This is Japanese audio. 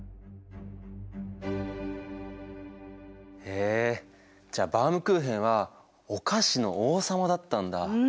へえじゃあバウムクーヘンはお菓子の王様だったんだ。